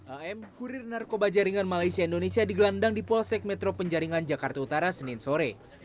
am kurir narkoba jaringan malaysia indonesia digelandang di polsek metro penjaringan jakarta utara senin sore